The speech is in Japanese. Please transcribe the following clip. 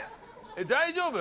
大丈夫？